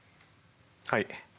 はい。